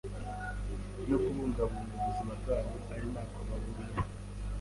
no kubungabunga ubuzima bwabo ari nako baburinda